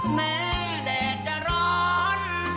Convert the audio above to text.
แม้แดดจะร้อน